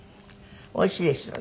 おいしいですよね。